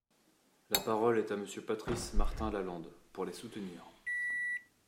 La parole est à Monsieur Patrice Martin-Lalande, pour les soutenir.